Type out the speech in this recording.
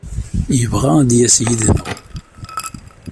Yebɣa ad d-yas yid-neɣ.